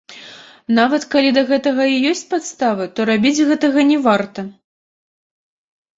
Нават калі да гэтага і ёсць падставы, то рабіць гэта не варта.